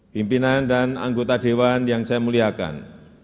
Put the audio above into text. pimpinan dan anggota dewan yang saya muliakan